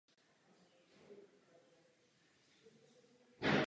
Členové posádky se přidali k pozemním jednotkám.